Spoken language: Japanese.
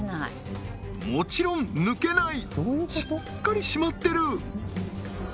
もちろん抜けないしっかり締まってる！